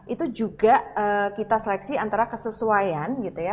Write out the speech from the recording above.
itu juga kita seleksi antara kesesuaian gitu ya